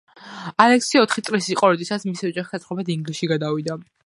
ალექსი ოთხი წლის იყო, როდესაც მისი ოჯახი საცხოვრებლად ინგლისში გადავიდა.